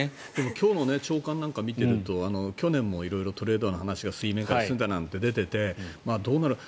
今日の朝刊なんかを見ていると去年もトレードの話が水面下で進んでいたなんて出ていて、どうなるか。